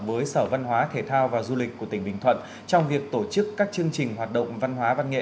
với sở văn hóa thể thao và du lịch của tỉnh bình thuận trong việc tổ chức các chương trình hoạt động văn hóa văn nghệ